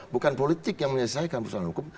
bukan politik yang menyelesaikan persoalan hukum